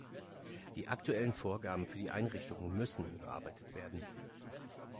Die aktuellen Vorgaben für die Einrichtungen müssen überarbeitet werden.